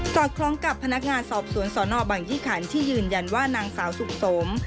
อดคล้องกับพนักงานสอบสวนสนบังยี่ขันที่ยืนยันว่านางสาวสุขสม